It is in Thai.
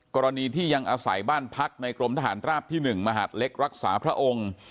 กรณีที่ยังอาศัยบ้านพักในกรมทหารราบที่๑มหาดเล็กรักษาพระองค์